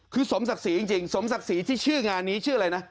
คือสมศักดิ์ศรีจริงสมศักดิ์ศรีที่ชื่องานนี้ชื่ออะไรนะ